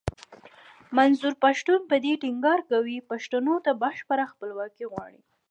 منظور پښتين په دې ټينګار کوي پښتنو ته بشپړه خپلواکي غواړي.